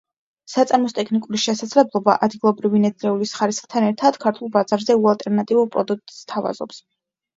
საწარმოს ტექნიკური შესაძლებლობა, ადგილობრივი ნედლეულის ხარისხთან ერთად, ქართულ ბაზარზე უალტერნატივო პროდუქტს სთავაზობს.